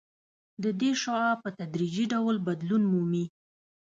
د دې شعاع په تدریجي ډول بدلون مومي